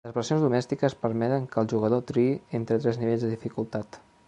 Les versions domèstiques permeten que el jugador triï entre tres nivells de dificultat.